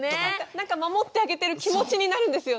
なんか守ってあげてる気持ちになるんですよね。